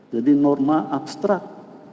jadi norma abstrak